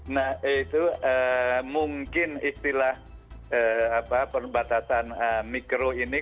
nah itu mungkin istilah perbatasan mikro ini